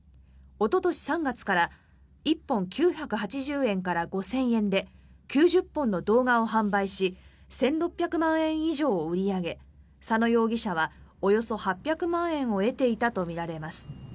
おととし３月から１本９８０円から５０００円で９０本の動画を販売し１６００万円以上を売り上げ佐野容疑者はおよそ８００万円を得ていたとみられます。